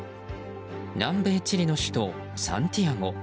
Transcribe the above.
南米チリの首都サンティアゴ。